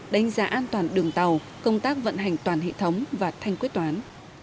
đánh giá an toàn đường tàu công tác vận hành toàn hệ thống và thanh quyết toán